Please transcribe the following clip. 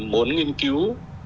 muốn nghiên cứu